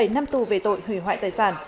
bảy năm tù về tội hủy hoại tài sản